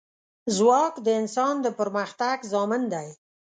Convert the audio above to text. ځواک د انسان د پرمختګ ضمانت دی.